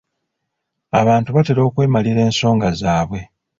Abantu batera okwemalira ensonga zaabwe.